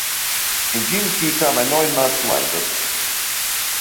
In Chimki kam er neunmal zum Einsatz.